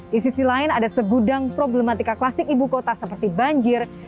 di sisi lain ada segudang problematika klasik ibu kota seperti banjir